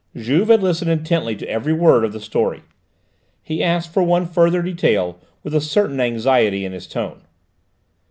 Juve had listened intently to every word of the story. He asked for one further detail with a certain anxiety in his tone.